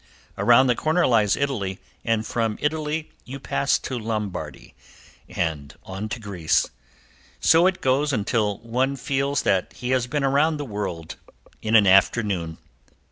Around the corner lies Italy, and from Italy you pass to Lombardy, and on to Greece. So it goes until one feels that he has been around the world in an afternoon.